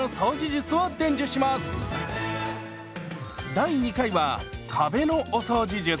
第２回は壁のお掃除術。